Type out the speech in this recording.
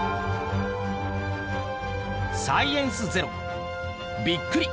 「サイエンスＺＥＲＯびっくり！